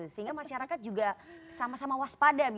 sehingga masyarakat juga sama sama waspada